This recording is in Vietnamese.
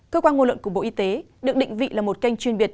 cơ quan ngôn luận của bộ y tế được định vị là một kênh chuyên biệt